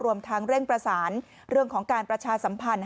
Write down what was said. รวมทั้งเร่งประสานเรื่องของการประชาสัมพันธ์